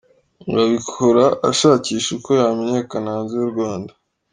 Ngo abikora ashakisha uko yamenyakana hanze y’u Rwanda.